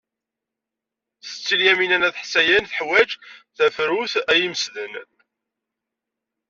Setti Lyamina n At Ḥsayen teḥwaj tafrut ay imesden.